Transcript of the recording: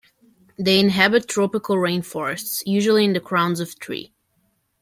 They inhabit tropical rainforests, usually in the crowns of tree.